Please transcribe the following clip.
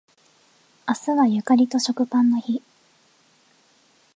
明日はゆかりと食パンの日